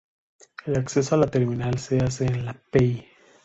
El acceso a la terminal se hace en la Pl.